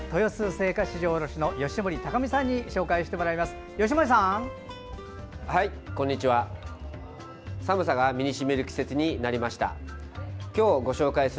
青果市場卸の吉守隆美さんに紹介してもらいます。